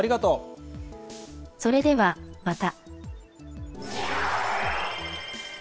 それではまた。